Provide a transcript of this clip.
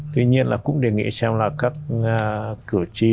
tuy nhiên là cũng đề nghị xem là các cử tri